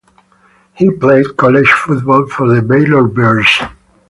He played college football for the Baylor Bears.